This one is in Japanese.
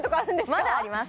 はいまだあります